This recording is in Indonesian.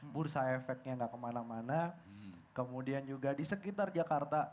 bursa efeknya nggak kemana mana kemudian juga di sekitar jakarta